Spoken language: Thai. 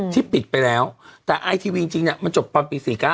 ที่ปิดไปแล้วแต่ไอทีวีจริงมันจบตอนปี๔๙